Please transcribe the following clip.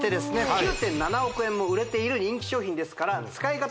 ９．７億円も売れている人気商品ですから使い方